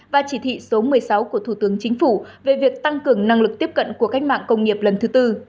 và chỉ thị số một mươi sáu của thủ tướng chính phủ về việc tăng cường năng lực tiếp cận của cách mạng công nghiệp lần thứ tư